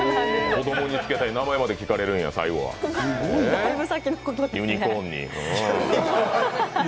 子供につけたい名前まで聞かれるんや、最後は、ユニコーンに。